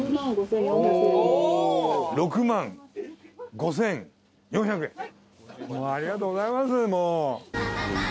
６万５，４００円。